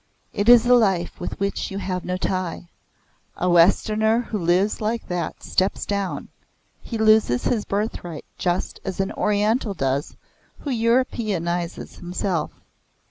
It is a life with which you have no tie. A Westerner who lives like that steps down; he loses his birthright just as an Oriental does who Europeanizes himself.